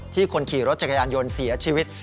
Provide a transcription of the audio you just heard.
คนขี่รถจักรยานยนต์เสียชีวิต